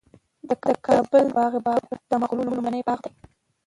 د کابل د باغ بابر د مغلو لومړنی باغ دی